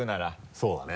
そうだね。